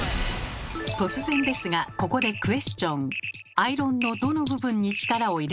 突然ですがここでクエスチョン。